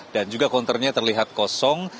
dan juga konternya terlihat kosong